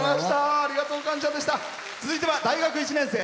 続いては、大学１年生。